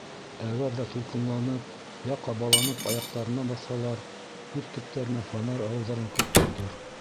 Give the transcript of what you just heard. Әгәр ҙә тулҡынланып, йә ҡабаланып аяҡтарына баҫһалар, күҙ төптәренә фонарь алыуҙарын көт тә тор.